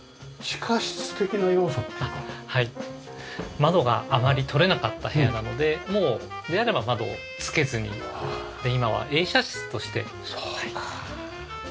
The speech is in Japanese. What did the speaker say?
窓があまりとれなかった部屋なのでであれば窓をつけずに今は映写室として。そうか。